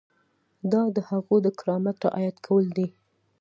دا د هغوی د کرامت رعایت کول دي.